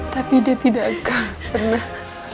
tapi dia tidak akan pernah